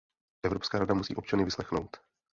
Evropská rada musí občany vyslechnout.